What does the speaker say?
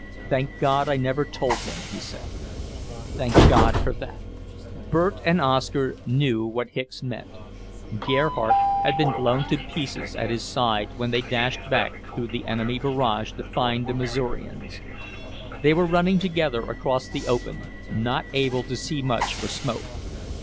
"Thank God I never told him," he said. "Thank God for that!" Bert and Oscar knew what Hicks meant. Gerhardt had been blown to pieces at his side when they dashed back through the enemy barrage to find the Missourians. They were running together across the open, not able to see much for smoke.